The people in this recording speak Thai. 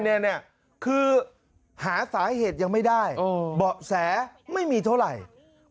เนี่ยคือหาสาเหตุยังไม่ได้ออแสไม่มีเท่าไรผู้ผู้ชม